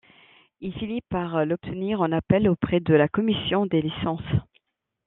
Il finit par l'obtenir en appel auprès de la commission des licences.